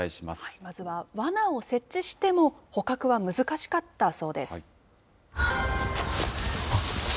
まずはわなを設置しても、捕獲は難しかったそうです。